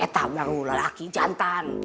tah baru lelaki jantan